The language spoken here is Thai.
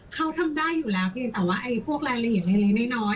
เขาทำได้อยู่แล้วเพียงแต่ว่าพวกรายละเอียดเล็กน้อย